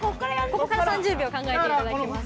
ここから３０秒考えていただきます。